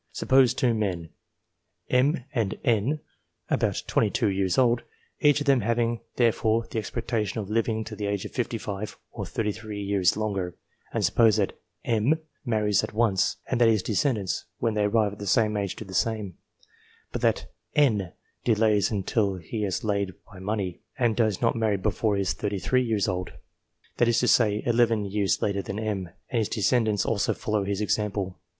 Suppose two men, M and N, about 22 years old, each of them having therefore the expectation of living to the age of 55 or 33 years longer; and suppose that M marries at once, and that his descendants when they arrive at the same age do the same ; but that N delays until he has laid by money, and does not marry before he is 33 years old, that is to say, 11 years later than M, and his descendants also follow his example.